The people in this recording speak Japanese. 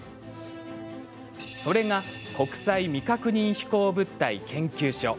それが国際未確認飛行物体研究所。